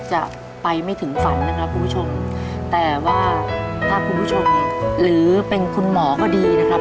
จะไปไม่ถึงฝันนะครับคุณผู้ชมแต่ว่าถ้าคุณผู้ชมหรือเป็นคุณหมอก็ดีนะครับ